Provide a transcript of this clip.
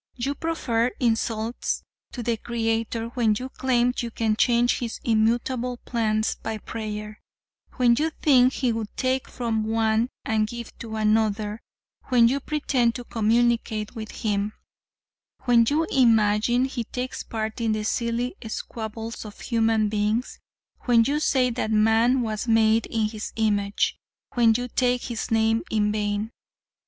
You proffer insults to the Creator when you claim you can change His immutable plans by prayer; when you think he would take from one and give to another; when you pretend to communicate with Him; when you imagine He takes part in the silly squabbles of human beings; when you say that man was made in His image; when you take His name in vain.